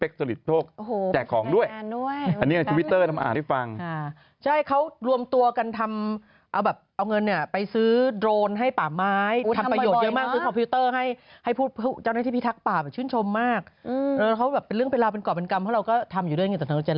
ของกลุ่มนี้เขาจะโอ้โหแล้วก็ทำกันจริงจังต่อไปเป็นเรื่องที่อะไรฮะ